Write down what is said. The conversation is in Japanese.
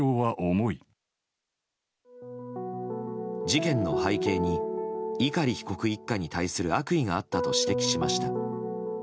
事件の背景に碇被告一家に対する悪意があったと指摘しました。